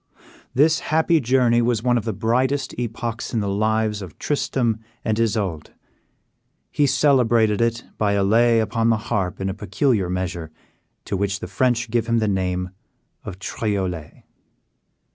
This happy journey was one of the brightest epochs in the lives of Tristram and Isoude. He celebrated it by a lay upon the harp in a peculiar measure, to which the French give the name of Triolet.